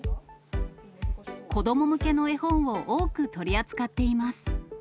子ども向けの絵本を多く取り扱っています。